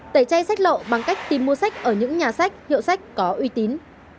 tẩy chay sách lậu bằng cách tìm mua sách ở những nhà sách hiệu sách có uy tín